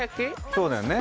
そうだよね。